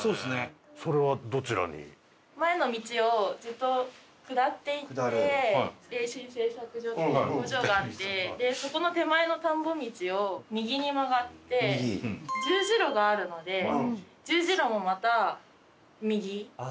前の道をずっと下っていってエイシン製作所っていう工場があってでそこの手前の田んぼ道を右に曲がって十字路があるので十字路もまた右。